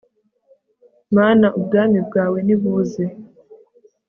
mana ubwami bwawe nibuze